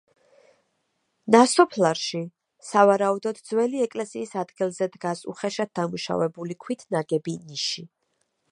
ნასოფლარში, სავარაუდოდ ძველი ეკლესიის ადგილზე დგას უხეშად დამუშავებული ქვით ნაგები ნიში.